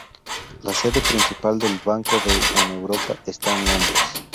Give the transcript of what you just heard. La sede principal del banco en Europa está Londres.